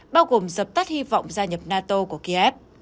bao gồm dập tắt hy vọng gia nhập nato của kiev